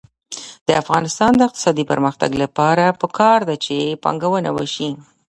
د افغانستان د اقتصادي پرمختګ لپاره پکار ده چې پانګونه وشي.